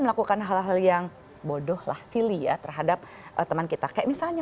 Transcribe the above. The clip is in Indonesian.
melakukan hal hal yang bodoh lah silly ya terhadap teman kita kayak misalnya